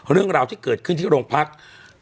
เรื่องราวที่เกิดขึ้นที่โรงพักษณ์